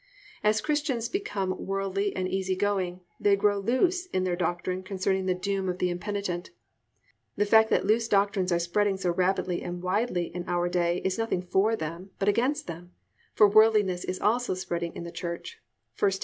As Christians become worldly and easy going they grow loose in their doctrine concerning the doom of the impenitent. The fact that loose doctrines are spreading so rapidly and widely in our day is nothing for them, but against them, for worldliness is also spreading in the church (1 Tim.